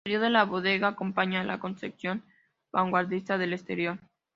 El interior de la bodega acompaña la concepción vanguardista del exterior.